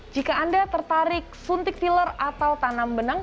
jika anda tertarik suntik filler atau tanam benang